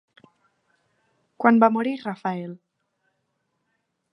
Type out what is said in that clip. Quan va morir Rafael?